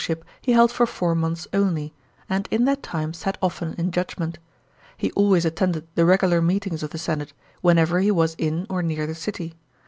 513 ship he held for four months only, and in that time sat often in judgment. He always attended the regular meetings of the ' senate, whenever he was in or near the city.